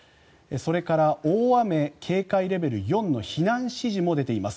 それから大雨警戒レベル４の避難指示も出ています。